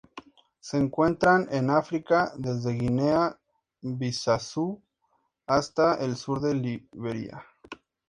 Se encuentran en África: desde Guinea Bissau hasta el sur de Liberia.